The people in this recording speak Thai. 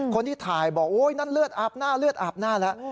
คนที่ถ่ายบอกโอ๊ยนั่นเลือดอาบหน้าเลือดอาบหน้าแล้ว